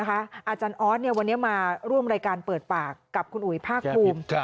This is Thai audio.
อาจารย์ออสวันนี้มาร่วมรายการเปิดปากกับคุณอุ๋ยภาคภูมิ